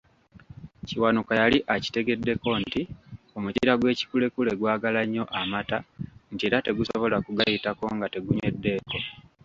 Kiwanuka yali akitegeddeko nti omukira gw'ekikulekule gwagala nnyo amata nti era tegusobola kugayitako nga tegunyweddeko.